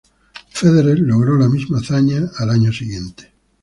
Federer logró la misma hazaña al año siguiente.